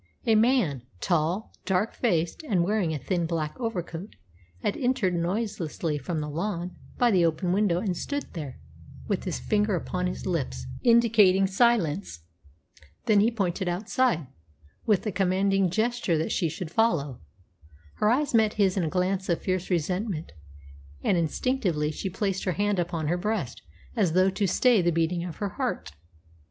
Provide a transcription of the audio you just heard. A man, tall, dark faced, and wearing a thin black overcoat, had entered noiselessly from the lawn by the open window, and stood there, with his finger upon his lips, indicating silence. Then he pointed outside, with a commanding gesture that she should follow. Her eyes met his in a glance of fierce resentment, and instinctively she placed her hand upon her breast, as though to stay the beating of her heart.